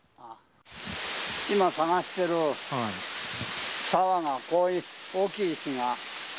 今、探している沢が、こういう大きい石が。